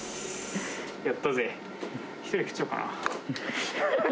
やったぜ！